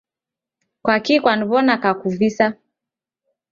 Kwaki kwaniwona kakuvisa?